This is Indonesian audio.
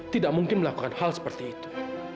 tidak mungkin melakukan hal seperti itu